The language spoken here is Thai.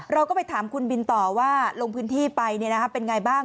เราก็ไปถามคุณบินต่อว่าลงพื้นที่ไปเป็นไงบ้าง